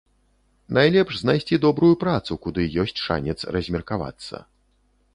Найлепш знайсці добрую працу, куды ёсць шанец размеркавацца.